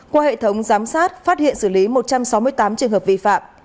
qua hệ thống giám sát phát hiện xử lý một trăm sáu mươi tám trường hợp vi phạm